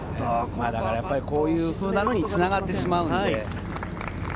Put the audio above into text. こういうふうなのにつながってしまうんで。